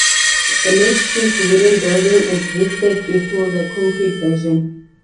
A makeshift wooden building existed before the concrete version.